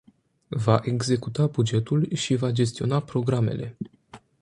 Va executa bugetul și va gestiona programele.